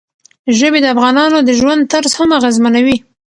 ژبې د افغانانو د ژوند طرز هم اغېزمنوي.